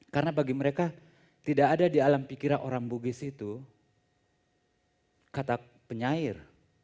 karena bagi mereka tidak ada di alam pikiran orang bugis itu kata penyair